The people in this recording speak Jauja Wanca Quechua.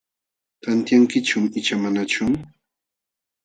¿Tantiyankichum icha manachu?